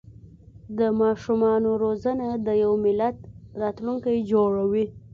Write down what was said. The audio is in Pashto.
د ماشومانو روزنه د یو ملت راتلونکی جوړوي.